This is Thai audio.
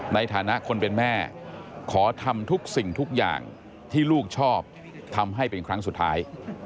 ในฐานะคนเป็นแม่ขอทำทุกสิ่งทุกอย่างที่ลูกชอบทำให้เป็นครั้งสุดท้าย